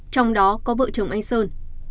trong đó có vợ chồng anh sơn